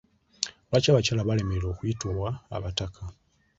Lwaki abakyala baalemererwa okuyitibwa abataka?